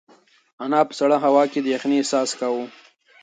انا په سړه هوا کې د یخنۍ احساس کاوه.